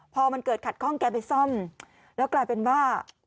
พอมันเกิดขัดข้องแกไปซ่อมแล้วกลายเป็นว่า